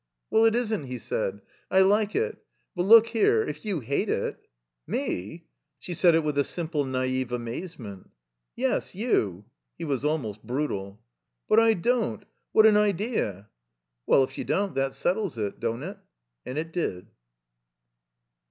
"WeU, it isn't," he said. "I like it. But look here — ^if you hate it —" "Me?" She said it with a simple, naive amazement. "Yes, you." He was almost brutal. "But I don't. What an idea!" "Well, if you don't, that settles it. Don't it?" And it did.